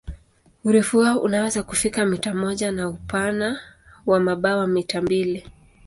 Urefu wao unaweza kufika mita moja na upana wa mabawa mita mbili.